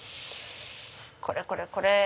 これこれこれ！